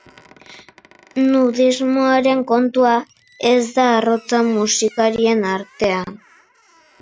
Nudismoaren kontua ez da arrotza musikarien artean.